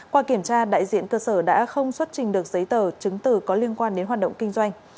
qua kiểm tra đại diện cơ sở đã không xuất trình được giấy tờ chứng từ có liên quan đến hoạt động kinh doanh